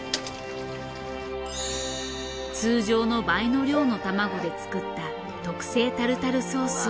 通常の倍の量のたまごで作った特製タルタルソースを。